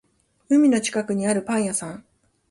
海の近くにあるパン屋さん